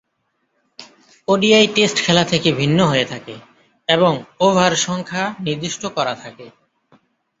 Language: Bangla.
ওডিআই টেস্ট খেলা থেকে ভিন্ন হয়ে থাকে এবং ওভার সংখ্যা নির্দিষ্ট করা থাকে।